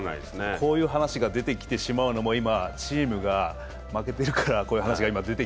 こういう話が出てきてしまうのも、今チームが負けているからですね。